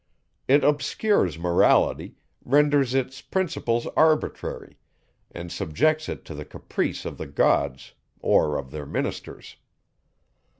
It obscures Morality, renders its principles arbitrary, and subjects it to the caprice of the gods or of their ministers.